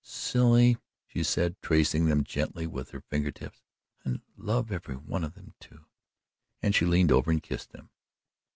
"Silly," she said, tracing them gently with her finger tips, "I love every one of them, too," and she leaned over and kissed them.